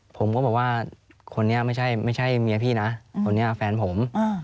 ผมก็บอกว่าคนนี้ไม่ใช่เมียพี่นะคนนี้แฟนผม